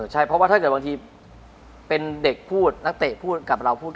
ใช่เพราะว่าถ้าเกิดบางทีเป็นเด็กพูดนักเตะพูดกับเราพูด